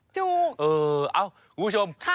จูก